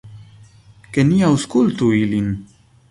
Ke ni aŭskultu ilin.